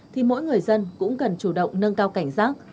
thì mỗi người dân cũng cần chủ động nâng cao cảnh giác